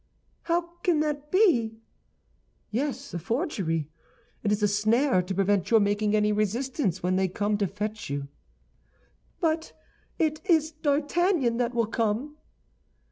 "How can that be?" "Yes, a forgery; it is a snare to prevent your making any resistance when they come to fetch you." "But it is D'Artagnan that will come."